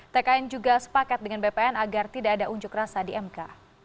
tkn juga sepakat dengan bpn agar tidak ada unjuk rasa di mk